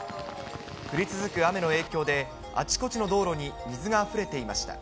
降り続く雨の影響で、あちこちの道路に水があふれていました。